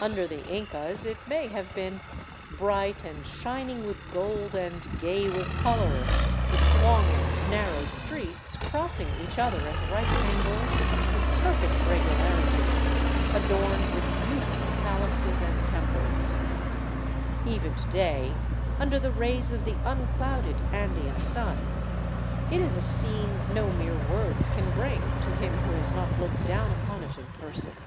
Under the Incas it may have been " bright and shining with gold and gay with color, its long and narrow streets, crossing each other at right angles with perfect regularity, adorned with beautiful palaces and temples "; even to day, under the rays of the unclouded Andean sun, it is a scene no mere words can bring to him who has not looked down upon it in person.